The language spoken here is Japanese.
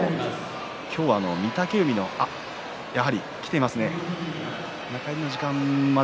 今日は御嶽海の、あ、やはり来ています。